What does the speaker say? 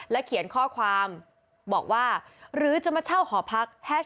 แล้วเขียนข้อความบอกว่า